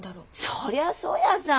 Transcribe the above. そりゃそうやさ。